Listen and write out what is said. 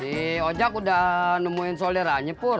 si ojak udah nemuin solera nyepur